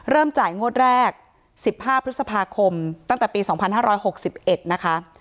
เริ่มจ่ายงวดแรกสิบห้าพฤษภาคมตั้งแต่ปีสองพันห้าร้อยหกสิบเอ็ดนะคะ